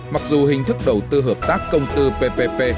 mặc dù hình thức đầu tư hợp tác công tư ppp